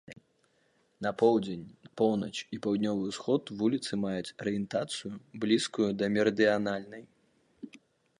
На поўдзень, поўнач і паўднёвы ўсход вуліцы маюць арыентацыю, блізкую да мерыдыянальнай.